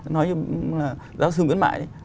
nói như giáo sư nguyễn mại